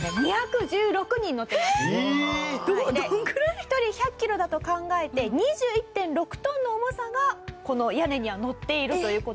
１人１００キロだと考えて２１．６トンの重さがこの屋根にはのっているという事になるんですよね。